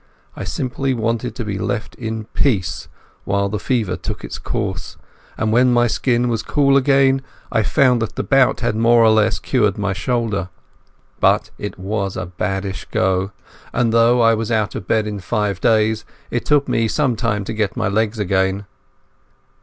I simply wanted to be left in peace while the fever took its course, and when my skin was cool again I found that the bout had more or less cured my shoulder. But it was a baddish go, and though I was out of bed in five days, it took me some time to get my legs again.